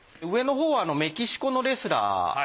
上のほうはメキシコのレスラー。